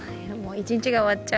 一日が終わっちゃう。